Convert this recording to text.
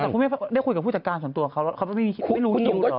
อาจารย์คุยกับพฤตกาลสันตัวเขาแล้วเขาไม่รู้หรือ